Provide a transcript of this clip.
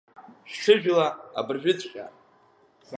Шәҽыжәла абыржәыҵәҟьа!